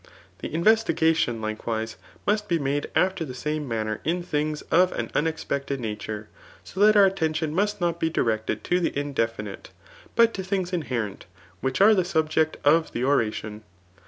The mtestigation, likevris^ must be made after the same manner in things of an unexpected nature^ so that our attention must not be directed to the indefinite, but to tilings inherent^ wUch are the subject of the oration.